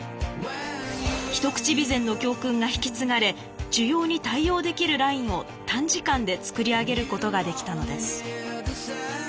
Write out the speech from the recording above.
ひとくち美膳の教訓が引き継がれ需要に対応できるラインを短時間で作り上げることができたのです。